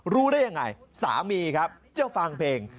รู้ได้ยังไงสามีครับจะฟังเพลง